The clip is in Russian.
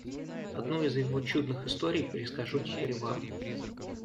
Одну из его чудных историй перескажу теперь вам.